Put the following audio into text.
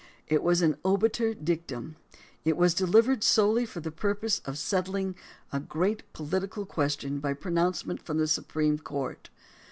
It was an obiter dictum. It was dehvered solely for the purpose of settling a great political question by pronouncement from the Supreme Court.